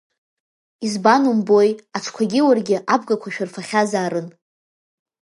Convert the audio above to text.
Избан умбои, Аҽгьы уаргьы абгақәа шәырфахьазаарын.